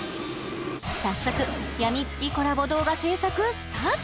早速やみつきコラボ動画制作スタート